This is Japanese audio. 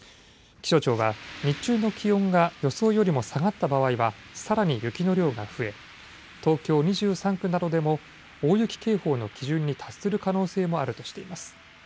気象庁は日中の気温が予想よりも下がった場合はさらに雪の量が増え東京２３区などでも大雪警報の基準に達する可能性もあるとしています。